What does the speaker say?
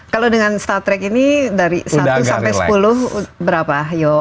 kalau dengan star trek ini dari satu sampai sepuluh berapa